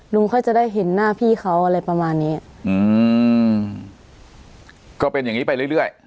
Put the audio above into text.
ค่อยจะได้เห็นหน้าพี่เขาอะไรประมาณนี้อืมก็เป็นอย่างงี้ไปเรื่อยเรื่อย